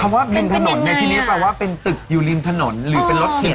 คำว่าริมถนนเป็นยังไงอ่ะในที่นี้แปลว่าเป็นตึกอยู่ริมถนนหรือเป็นรถเข็ม